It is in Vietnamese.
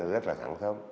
rất là thẳng thông